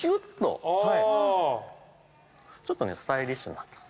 ちょっとねスタイリッシュになった。